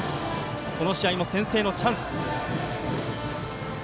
この試合も先制のチャンス。